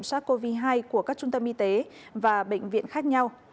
sars cov hai của các trung tâm y tế và bệnh viện khác nhau